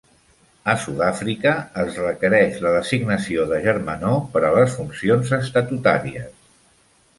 A Sud-àfrica, es requereix la designació de germanor per a les funcions estatutàries.